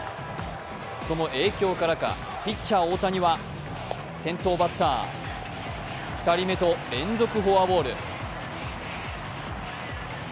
その影響からかピッチャー・大谷は先頭バッター、２人目と連続フォアボール。